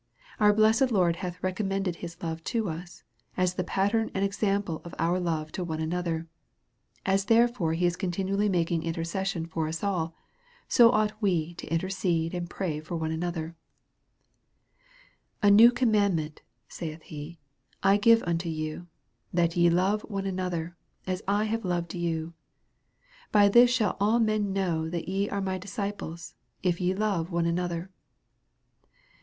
Our blessed Lord hath recommended his love to us_, as the pattern and example of our love to one another. As therefore he is continually making intercession for us all, so ouglit we to intercede and pray for One ano ther, A neiD commandment, saith he, Igiveuntot/ou, that ye love one another, as I have loved you. By this shall all men know that ye are my disciples, if ye love one another.